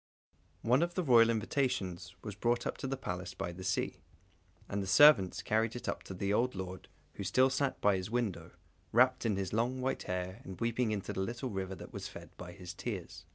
One of the royal invitations was brought to the Palace by the sea, and the servants carried it up to the old lord who still sat by his window, wrapped in his long white hair and weeping into the little river that was fed by his tears.